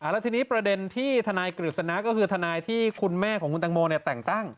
แล้วทีนี้ประเด็นที่ทนายกฤษณะก็คือทนายที่คุณแม่ของคุณตังโมแต่งตั้ง